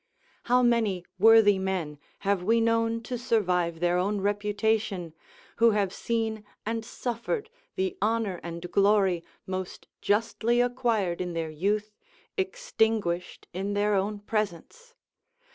How many worthy men have we known to survive their own reputation, who have seen and suffered the honour and glory most justly acquired in their youth, extinguished in their own presence?